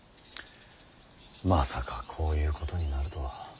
まさかこういうことになるとは。